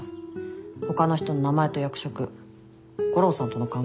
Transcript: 他の人の名前と役職悟郎さんとの関係